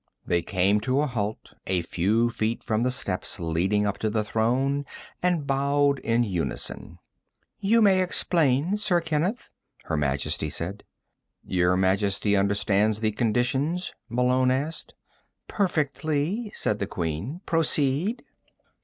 They came to a halt a few feet from the steps leading up to the throne, and bowed in unison. "You may explain, Sir Kenneth," Her Majesty said. "Your Majesty understands the conditions?" Malone asked. "Perfectly," said the Queen. "Proceed."